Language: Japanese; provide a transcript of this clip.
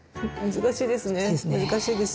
難しいです。